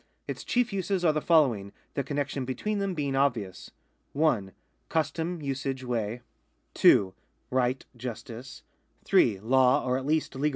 Its chief uses are the following, the connexion between them being obvious: (1) custom, usage, way; (2) right, justice; (3) law, or at least 1 D.